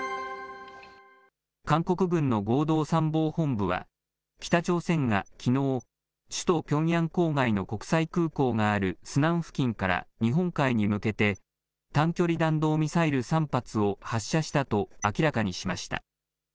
韓国軍の合同参謀本部は、北朝鮮がきのう、首都ピョンヤン郊外の国際空港があるスナン付近から日本海に向けて、短距離弾道ミサイル３発を発射したと明らかにしました。